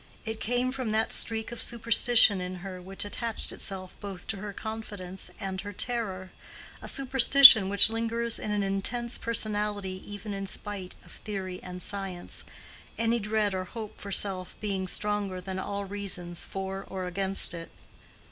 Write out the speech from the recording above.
It came from that streak of superstition in her which attached itself both to her confidence and her terror—a superstition which lingers in an intense personality even in spite of theory and science; any dread or hope for self being stronger than all reasons for or against it.